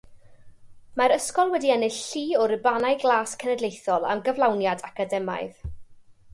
Mae'r ysgol wedi ennill llu o rubanau glas cenedlaethol am gyflawniad academaidd.